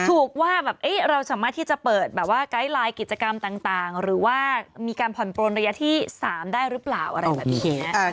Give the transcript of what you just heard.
ถูกว่าแบบเราสามารถที่จะเปิดแบบว่าไกด์ไลน์กิจกรรมต่างหรือว่ามีการผ่อนปลนระยะที่๓ได้หรือเปล่าอะไรแบบนี้